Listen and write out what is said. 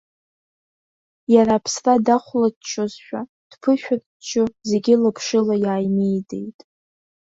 Иара аԥсра дахәлаччозшәа, дԥышәырччо, зегьы лаԥшыла иааимидеит.